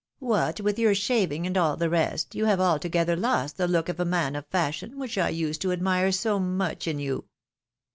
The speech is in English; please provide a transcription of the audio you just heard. What with your shaving, and all the rest, you have altogether lost the look of a man of fashion, which I used to admire so much in you."